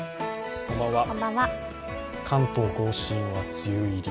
関東甲信は梅雨入り。